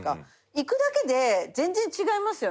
行くだけで全然違いますよね。